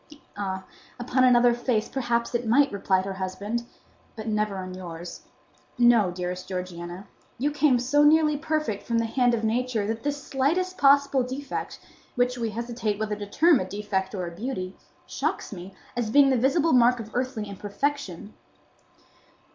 "Ah, upon another face perhaps it might," replied her husband; "but never on yours. No, dearest Georgiana, you came so nearly perfect from the hand of Nature that this slightest possible defect, which we hesitate whether to term a defect or a beauty, shocks me, as being the visible mark of earthly imperfection."